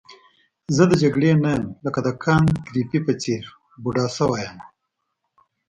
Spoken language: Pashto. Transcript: زه د جګړې نه یم لکه د کانت ګریفي په څېر بوډا شوی یم.